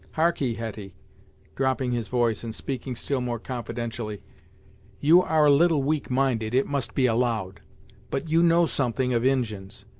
Harkee, Hetty," dropping his voice and speaking still more confidentially, "you are a little weak minded, it must be allowed, but you know something of Injins.